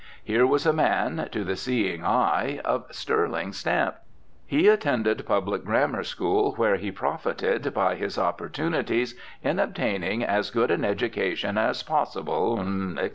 Here was a man, to the seeing eye, of sterling stamp: "He attended public grammar school where he profited by his opportunities in obtaining as good an education as possible, etc."